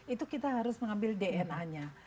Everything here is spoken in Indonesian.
itu kita harus mengambil dna nya